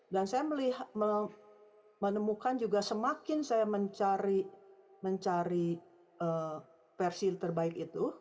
dan saya melihat menemukan juga semakin saya mencari mencari versi terbaik itu